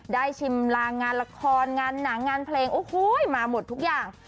ชิมลางงานละครงานหนังงานเพลงโอ้โหมาหมดทุกอย่าง